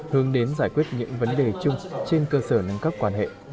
hướng đến giải quyết những vấn đề chung trên cơ sở nâng cấp quan hệ